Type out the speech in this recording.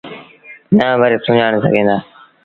نآ وري سُڃآڻي سگھينٚ دآ